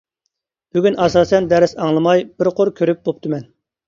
بۈگۈن ئاساسەن دەرس ئاڭلىماي بىر قۇر كۆرۈپ بوپتىمەن.